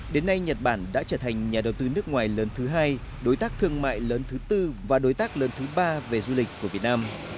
đến nay nhật bản đã trở thành nhà đầu tư nước ngoài lớn thứ hai đối tác thương mại lớn thứ tư và đối tác lớn thứ ba về du lịch của việt nam